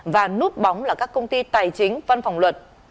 và núp bóng là các công ty tài chính văn phòng luật